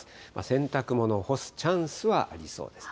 洗濯物干すチャンスはありそうです。